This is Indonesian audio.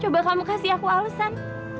coba kamu kasih aku alesan